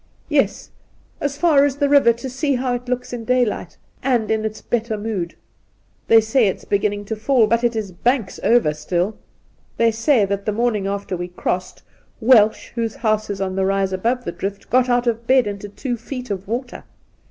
' Yes ; as far as the river, to see how it looks in daylight, and in its better mood. They say it is beginning to fall ; but it is banks over still. They say that the morning after we crossed, Welsh, whose house is on the rise above the drift, got out of bed into two feet of water.